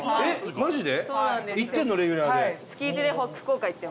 マジで？